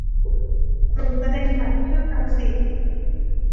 โปรดแสดงบัตรเพื่อรับสิทธิ์